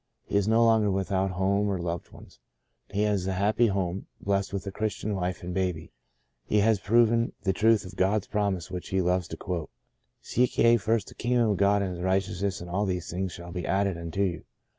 He is no longer without home or loved ones ; he has a happy home, blessed with a Christian wife and baby ; he has proven the truth of God's promise which he loves to quote :Seek ye first the kingdom of God and His righteousness and all these things shall be added unto you."